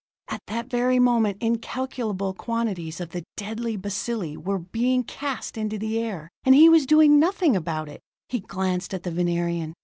At that very moment incalculable quantities of the deadly bacilli were being cast into the air. And he was doing nothing about it! He glanced at the Venerian.